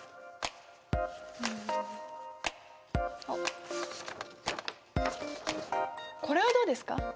あっこれはどうですか？